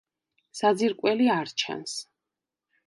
საძირკველი არ ჩანს.